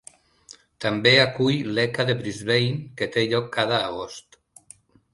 També acull l'Ekka de Brisbane que té lloc cada agost.